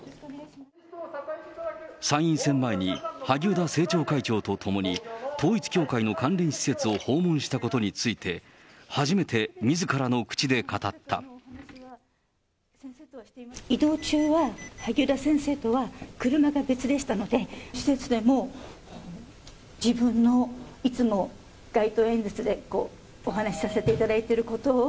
参院選前に萩生田政調会長と共に、統一教会の関連施設を訪問したことについて、移動中は、萩生田先生とは車が別でしたので、施設でも自分のいつも街頭演説でお話しさせていただいていることを。